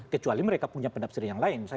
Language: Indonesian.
kecuali mereka punya penafsir yang lain